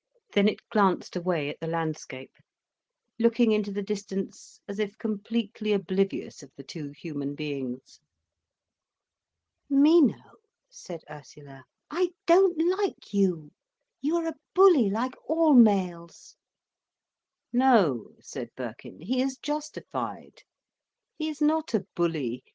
Then it glanced away at the landscape, looking into the distance as if completely oblivious of the two human beings. "Mino," said Ursula, "I don't like you. You are a bully like all males." "No," said Birkin, "he is justified. He is not a bully.